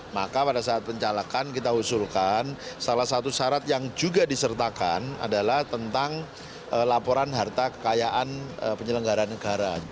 maka pada saat pencalekan kita usulkan salah satu syarat yang juga disertakan adalah tentang laporan harta kekayaan penyelenggara negara